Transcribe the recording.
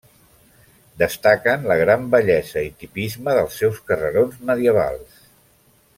Destaquen la gran bellesa i tipisme dels seus carrerons medievals.